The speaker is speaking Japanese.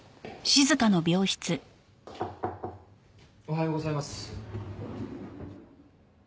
おはようございます。